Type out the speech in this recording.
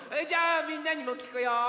じゃあみんなにもきくよ。